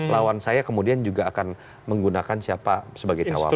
lawan saya kemudian juga akan menggunakan siapa sebagai cawapres